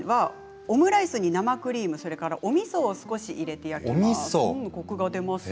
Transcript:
オムライスに生クリームそれから、おみそを少し入れて焼きますときています。